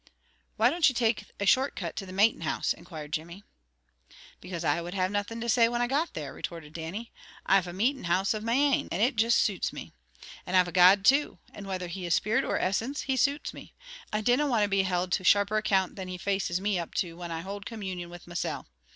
"Why don't you take a short cut to the matin' house?" inquired Jimmy. "Because I wad have nothing to say when I got there," retorted Dannie. "I've a meetin' house of my ain, and it juist suits me; and I've a God, too, and whether He is spirit or essence, He suits me. I dinna want to be held to sharper account than He faces me up to, when I hold communion with mesel'.